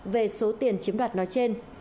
về số tiền chiếm đoạt nói trên